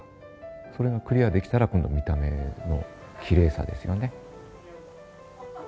それがクリアできたら今度見た目のきれいさですよね。